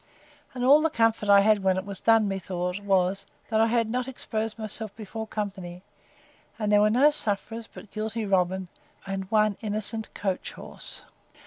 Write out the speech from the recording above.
And all the comfort I had when it was done, methought, was, that I had not exposed myself before company; and there were no sufferers, but guilty Robin, and one innocent coach horse.